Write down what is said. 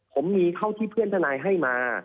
ผมมีเท่าที่เพื่อนทนายให้มา